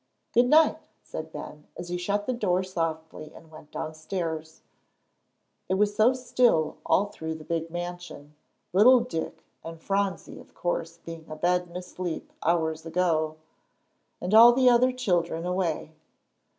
"Good night," said Ben, and he shut the door softly and went downstairs. It was so still all through the big mansion little Dick and Phronsie of course being abed and asleep hours ago, and all the other children away.